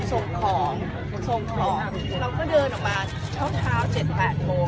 ส่งของส่งของเราก็เดินออกมาเช้าเท้าเจ็ดแปดโมง